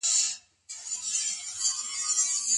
اسلامي شريعت په حقوقو کي سوله مشروع کوي.